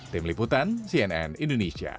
tim liputan cnn indonesia